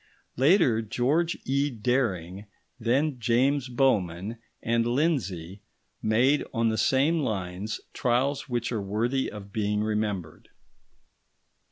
Later, George E. Dering, then James Bowman and Lindsay, made on the same lines trials which are worthy of being remembered.